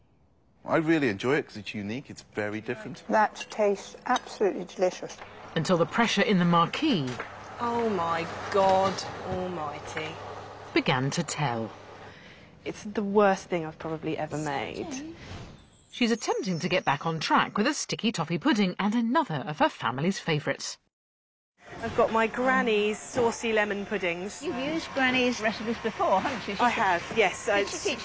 はい。